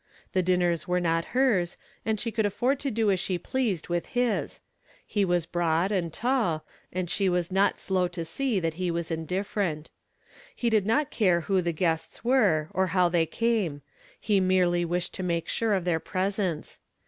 The dinners were not hers, and she could afford to do as she pleased with his; he was broad and tall and she was not slow to see that he was indifferent. He did not care who the guests were, or how they came; he merely wished to make sure of their presence.